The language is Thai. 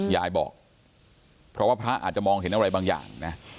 ยายบอกเพราะว่าพระอาจมองเห็นอะไรบางจัง